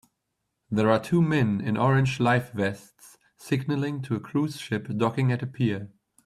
There are two men in orange life vests signaling to a cruise ship docking at a pier.